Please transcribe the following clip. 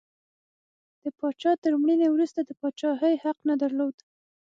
د پاچا تر مړینې وروسته د پاچاهۍ حق نه درلود.